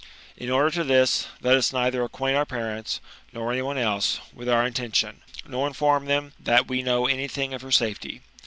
In order to this, let us neither acquaint our parents, nor any one else, with our intention, nor inform them that we know any thing of her safety.